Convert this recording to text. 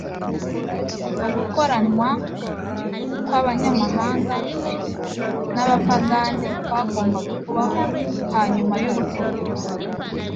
Ugukoranywa kw'abanyamahanga b'abapagane kwagombaga kubaho hanyuma y'urupfu rwe.